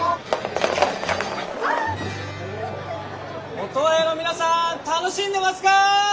オトワヤの皆さん楽しんでますか？